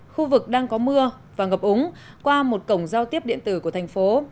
khu vực đang có mưa và ngập úng qua một cổng giao tiếp điện tử của thành phố